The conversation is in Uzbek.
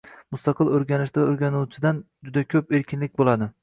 Mustaqil o’rganishda o’rganuvchidan juda ko’p erkinlik bo’ladi